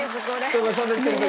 人がしゃべってる時。